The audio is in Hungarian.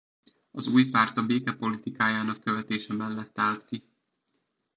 Az új párt a béke politikájának követése mellett állt ki.